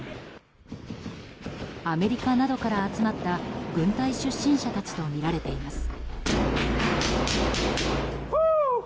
アメリカなどから集まった軍隊出身者たちとみられています。